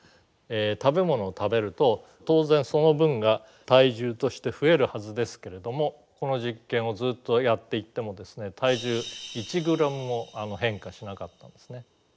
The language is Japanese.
食べ物を食べると当然その分が体重として増えるはずですけれどもこの実験をずっとやっていってもですね体重１グラムも変化しなかったんですね。